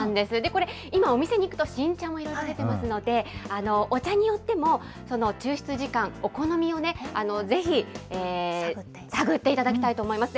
これ、今お店に行くと、新茶もいろいろ出てますので、お茶によってもその抽出時間、お好みをぜひ探っていただきたいと思います。